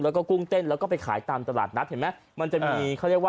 แล้วก็กุ้งเต้นแล้วก็ไปขายตามตลาดนัดเห็นไหมมันจะมีเขาเรียกว่า